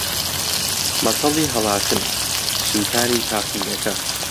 مەتەڵی ھەڵاتن: سووتانی تاقیگەکە